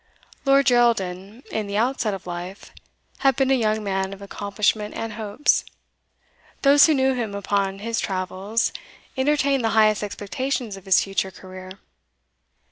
Lord Geraldin, in the outset of life, had been a young man of accomplishment and hopes. Those who knew him upon his travels entertained the highest expectations of his future career.